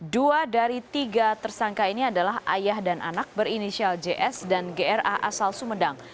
dua dari tiga tersangka ini adalah ayah dan anak berinisial js dan gra asal sumedang